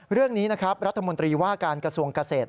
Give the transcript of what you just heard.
เรื่องนี้นะครับรัฐมนตรีว่าการกระทรวงเกษตร